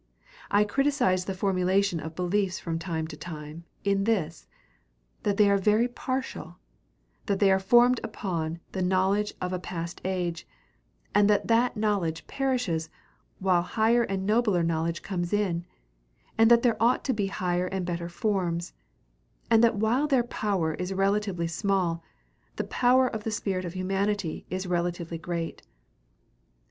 I criticize the formulation of beliefs from time to time, in this: that they are very partial; that they are formed upon the knowledge of a past age, and that that knowledge perishes while higher and nobler knowledge comes in; that there ought to be higher and better forms; and that while their power is relatively small, the power of the spirit of humanity is relatively great.